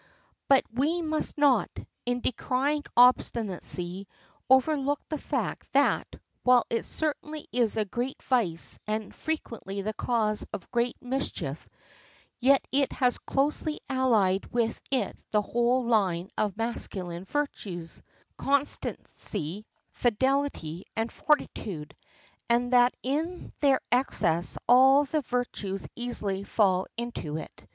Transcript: But we must not, in decrying obstinacy, overlook the fact that, while it certainly is a great vice and frequently the cause of great mischief, yet it has closely allied with it the whole line of masculine virtues, constancy, fidelity, and fortitude, and that in their excess all the virtues easily fall into it.